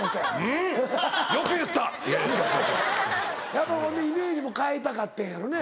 やっぱほんでイメージも変えたかってんやろね。